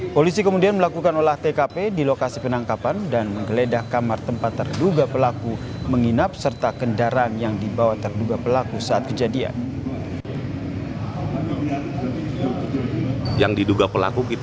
polisi kemudian melakukan olah tkp di lokasi penangkapan dan menggeledah kamar tempat terduga pelaku